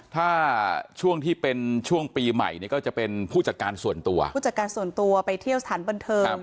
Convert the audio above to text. ถ้าช่วงที่เป็นช่วงปีใหม่เนี่ยก็จะเป็นผู้จัดการส่วนตัวผู้จัดการส่วนตัวไปเที่ยวสถานบันเทิง